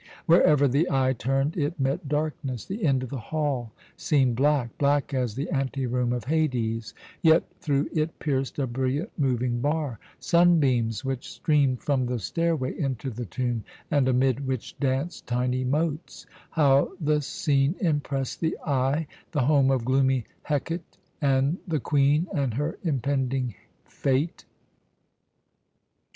Wherever the eye turned it met darkness. The end of the hall seemed black black as the anteroom of Hades yet through it pierced a brilliant moving bar; sunbeams which streamed from the stairway into the tomb and amid which danced tiny motes. How the scene impressed the eye! The home of gloomy Hecate! And the Queen and her impending fate.